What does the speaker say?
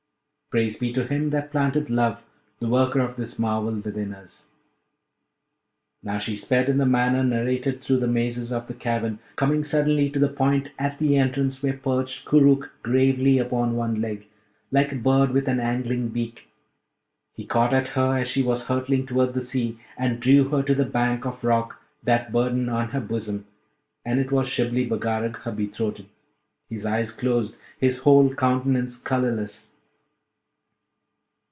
Praise be to him that planteth love, the worker of this marvel, within us! Now, she sped in the manner narrated through the mazes of the cavern, coming suddenly to the point at the entrance where perched Koorookh gravely upon one leg, like a bird with an angling beak: he caught at her as she was hurling toward the sea, and drew her to the bank of rock, that burden on her bosom; and it was Shibli Bagarag, her betrothed, his eyes closed, his whole countenance colourless.